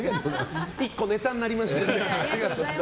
１個ネタになりました。